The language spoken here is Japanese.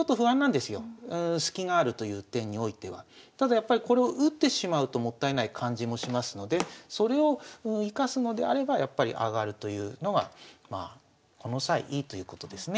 やっぱりこれを打ってしまうともったいない感じもしますのでそれを生かすのであればやっぱり上がるというのがこの際いいということですね。